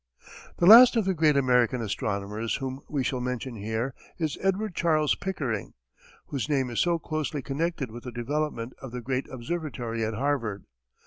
The last of the great American astronomers whom we shall mention here is Edward Charles Pickering, whose name is so closely connected with the development of the great observatory at Harvard.